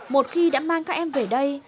một khi đã mang các em về đây